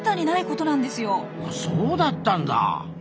そうだったんだ！